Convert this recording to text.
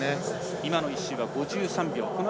今の１周は５３秒。